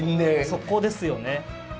そこですよね。